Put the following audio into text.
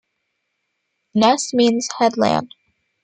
"Nes" means "headland".